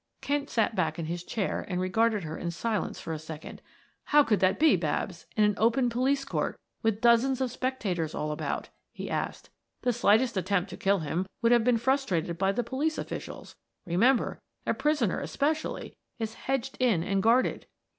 Kent sat back in his chair and regarded her in silence for a second. "How could that be, Babs, in an open police court with dozens of spectators all about?" he asked. "The slightest attempt to kill him would have been frustrated by the police officials; remember, a prisoner especially, is hedged in and guarded."